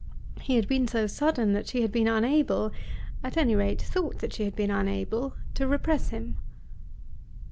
He had been so sudden that she had been unable, at any rate thought that she had been unable, to repress him.